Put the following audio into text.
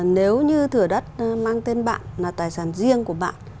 nếu như thửa đất mang tên bạn là tài sản riêng của bạn